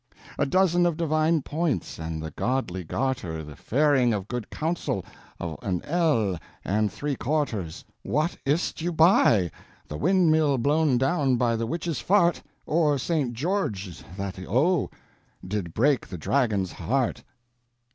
A dozen of divine points, and the godly garter The fairing of good counsel, of an ell and three quarters. What is't you buy? The windmill blown down by the witche's fart, Or Saint George, that, O! did break the dragon's heart.